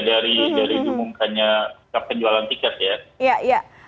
dari diumumkannya penjualan tiket ya